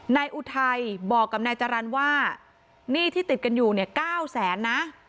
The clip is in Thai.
นายอุทัยบอกกับนายจรรย์ว่าหนี้ที่ติดกันอยู่๙๐๐๐๐๐นะ